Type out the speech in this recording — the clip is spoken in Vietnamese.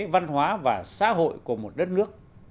văn hóa và xã hội của một đất nước